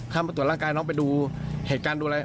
มาตรวจร่างกายน้องไปดูเหตุการณ์ดูอะไร